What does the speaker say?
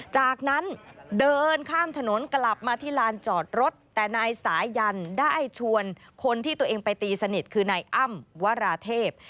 จากนั้นเดินข้ามถนนกลับมาที่ลานจอดรถแต่นายสายันได้ชวนคนที่ตัวเองไปตีสนิทคือนายอ้ำวราเทพ